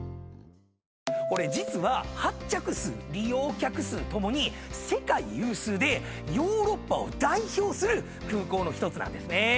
これ実は発着数・利用客数共に世界有数でヨーロッパを代表する空港の１つなんですね。